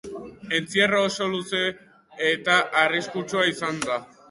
Entzierro oso luze eta arriskutsua izan da.